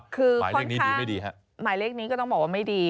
คือหมายเลขนี้ดีไม่ดีฮะหมายเลขนี้ก็ต้องบอกว่าไม่ดี